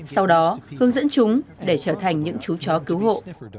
sau đó hướng dẫn chúng để trở thành những chú chó cứu hộ